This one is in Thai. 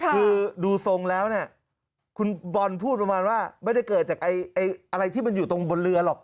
คือดูทรงแล้วเนี่ยคุณบอลพูดประมาณว่าไม่ได้เกิดจากอะไรที่มันอยู่ตรงบนเรือหรอก